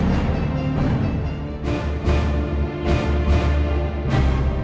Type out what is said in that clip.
mak kasih nengri mak kasih nengri